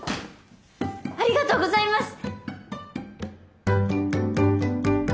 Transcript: ありがとうございます！